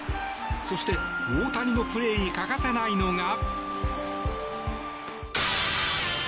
そして、大谷のプレーに欠かせないのが。